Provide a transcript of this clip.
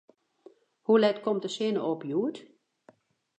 Hoe let komt de sinne op hjoed?